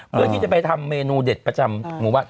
เพื่อที่จะไปทำเมนูเด็ดประจำหมู่บ้าน